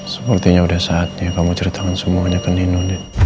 semakin sudah saatnya kamu ceritakan semuanya ke nino